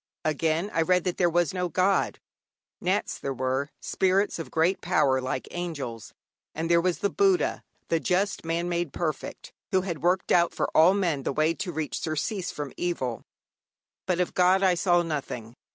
Again, I read that there was no God. Nats there were, spirits of great power like angels, and there was the Buddha (the just man made perfect), who had worked out for all men the way to reach surcease from evil; but of God I saw nothing.